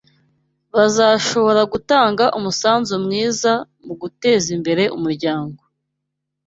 bazashobora gutanga umusanzu mwiza mugutezimbere umuryango